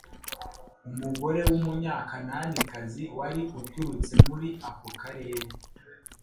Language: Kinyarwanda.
Umugore w'umunyakananikazi wari uturutse muri ako karere,